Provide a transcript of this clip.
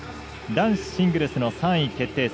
男子シングルスの３位決定戦。